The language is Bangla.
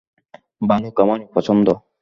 ভালুক আমার অপছন্দ।